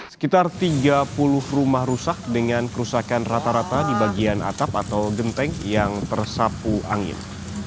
sekitar tiga puluh rumah rusak dengan kerusakan rata rata di bagian atap atau genteng yang tersapu angin